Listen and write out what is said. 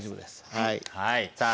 はいさあ